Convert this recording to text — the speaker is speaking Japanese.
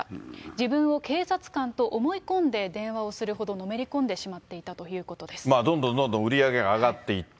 自分を警察官と思い込んで電話をするほどのめり込んでしまっていどんどんどんどん売り上げが上がっていった。